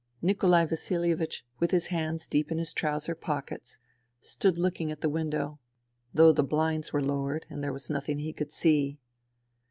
Nikolai Vasihevich, with his hands deep in his trouser pockets, stood looking at the window, though the blinds were lowered and there was nothing he could see.